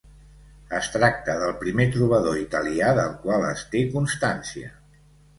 Es tracta del primer trobador italià del qual es té constància.